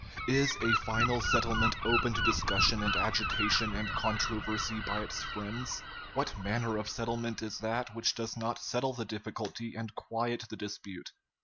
Is a final settlement open to discussion and agitation and controversy by its friends? What manner of settlement is that which does not settle the difficulty and quiet the dispute?